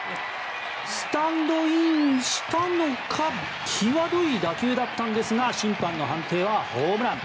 スタンドインしたのか際どい打球だったんですが審判の判定はホームラン。